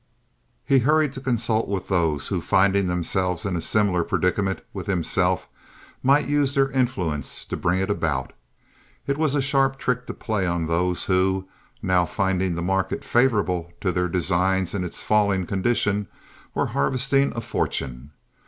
He hurried to consult with those who, finding themselves in a similar predicament with himself, might use their influence to bring it about. It was a sharp trick to play on those who, now finding the market favorable to their designs in its falling condition, were harvesting a fortune.